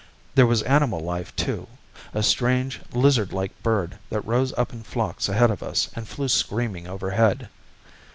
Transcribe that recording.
There was animal life too, a strange lizard like bird that rose up in flocks ahead of us and flew screaming overhead.